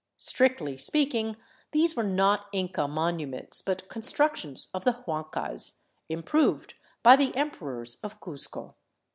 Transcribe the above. Strictly speak ing, these were not Inca monuments, but constructions of the Huancas, improved by the Emperors of Cuzco.